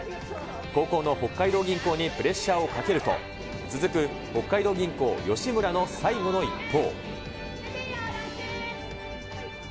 後攻の北海道銀行にプレッシャーをかけると、続く北海道銀行、よしむらの最後の一投。